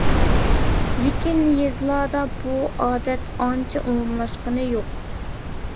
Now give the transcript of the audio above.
لېكىن يېزىلاردا بۇ ئادەت ئانچە ئومۇملاشقىنى يوق.